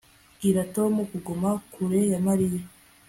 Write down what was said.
Bwira Tom kuguma kure ya Mariya